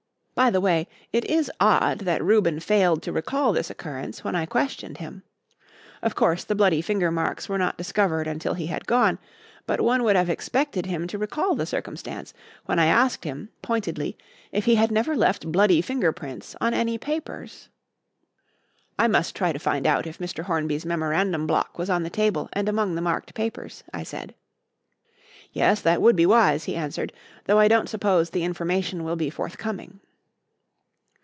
By the way, it is odd that Reuben failed to recall this occurrence when I questioned him. Of course, the bloody finger marks were not discovered until he had gone, but one would have expected him to recall the circumstance when I asked him, pointedly, if he had never left bloody finger prints on any papers." "I must try to find out if Mr. Hornby's memorandum block was on the table and among the marked papers," I said. "Yes, that would be wise," he answered, "though I don't suppose the information will be forthcoming."